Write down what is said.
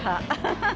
ハハハハ。